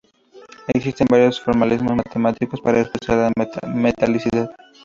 Existen varios formalismos matemáticos para expresar la metalicidad.